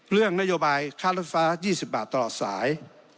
เรื่องนโยบายค่ารถฟ้า๒๐บาทตลอดสาย